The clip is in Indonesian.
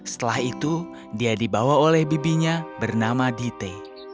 setelah itu dia dibawa oleh bibinya bernama dite